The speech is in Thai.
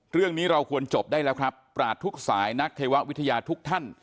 เราควรจบได้แล้วครับปราศทุกสายนักเทววิทยาทุกท่าน